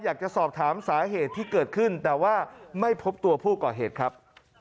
อยากจะสอบถามสาเหตุที่เกิดขึ้นแต่ว่าไม่พบตัวผู้ก่อเหตุครับ